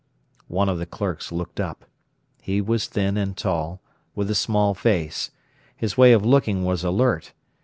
One of the clerks looked up. He was thin and tall, with a small face. His way of looking was alert.